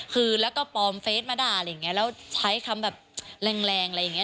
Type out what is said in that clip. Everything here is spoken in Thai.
คือแล้วก็ปลอมเฟสมาด่าอะไรอย่างนี้แล้วใช้คำแบบแรงแรงอะไรอย่างนี้